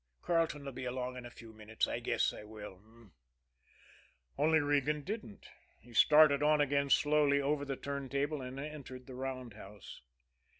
Carleton 'll be along in a few minutes. I guess I will, h'm?" only Regan didn't. He started on again slowly over the turntable, and entered the roundhouse.